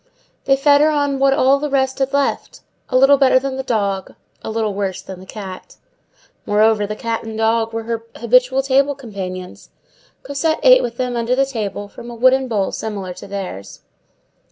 They fed her on what all the rest had left—a little better than the dog, a little worse than the cat. Moreover, the cat and the dog were her habitual table companions; Cosette ate with them under the table, from a wooden bowl similar to theirs.